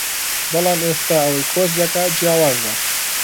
بەڵام ئێستا ئەوەی کۆچ دەکات جیاوازە